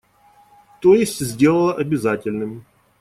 То есть сделала обязательным.